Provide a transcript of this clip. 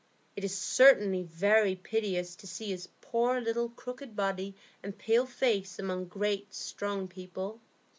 It is certainly very piteous to see his poor little crooked body and pale face among great, strong people."